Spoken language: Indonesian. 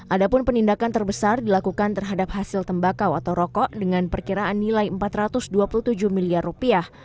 ada pun penindakan terbesar dilakukan terhadap hasil tembakau atau rokok dengan perkiraan nilai empat ratus dua puluh tujuh miliar rupiah